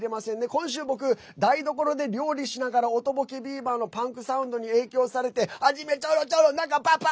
今週、僕、台所で料理しながらおとぼけビバのパンクサウンドに影響されて「初めちょろちょろ中ぱっぱ！